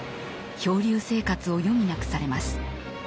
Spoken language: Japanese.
漂流生活を余儀なくされます。